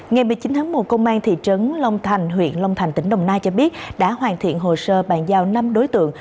ngày một mươi chín tháng một công an thị trấn long thành huyện long thành tỉnh đồng nai cho biết đã hoàn thiện hồ sơ bàn giao năm đối tượng